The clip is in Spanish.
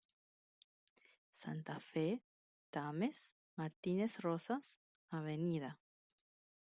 Santa Fe, Thames, Martínez Rosas, Av.